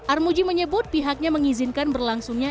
armuji menyebut pihaknya mengizinkan berlangsungnya